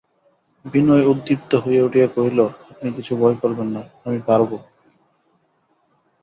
বিনয় উদ্দীপ্ত হইয়া উঠিয়া কহিল, আপনি কিচ্ছু ভয় করবেন না– আমি পারব।